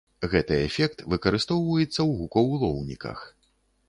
Гэты эфект выкарыстоўваецца ў гукаўлоўніках.